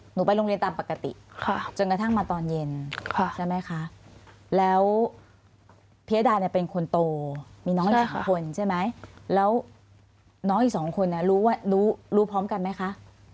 หนูไปโรงเรียนตามปกติจนกระทั่งมาตอนเย็นใช่ไหมคะแล้วพิยดาเนี่ยเป็นคนโตมีน้องสองคนใช่ไหมแล้วน้องอีกสองคนรู้พร้อมกันไหมคะ